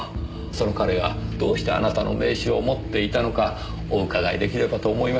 その彼がどうしてあなたの名刺を持っていたのかお伺いできればと思いまして。